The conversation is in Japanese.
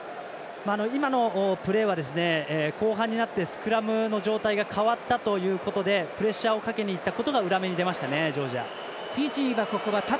今のプレーは後半になってスクラムの状態が変わったということでプレッシャーかけにいったことが裏目に出ました。